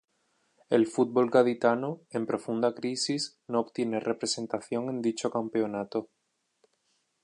El fútbol gaditano, en profunda crisis, no obtiene representación en dicho campeonato.